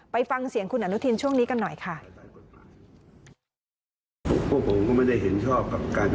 ไปฟังเสียงคุณอนุทินช่วงนี้กันหน่อยค่ะ